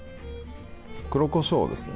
黒こしょうですね。